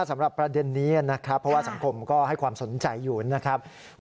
สำหรับประเด็นนี้นะครับเพราะว่าสังคมก็ให้ความสนใจอยู่นะครับ